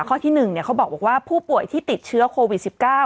ข้อที่๑เขาบอกว่าผู้ป่วยที่ติดเชื้อโควิด๑๙